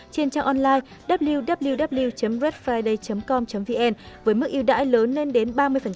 trên trang online www redfriday com vn với mức ưu đãi lớn lên đến ba mươi